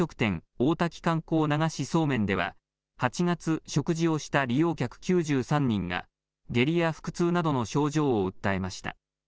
大滝観光流しそうめんでは８月、食事をした利用客９３人が下痢や腹痛などの症状を訴えました。